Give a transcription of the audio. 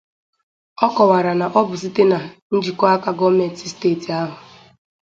Ọ kọwara na ọ bụ site na njikọaka gọọmenti steeti ahụ